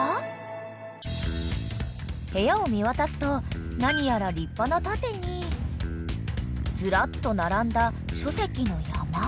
［部屋を見渡すと何やら立派な盾にずらっと並んだ書籍の山］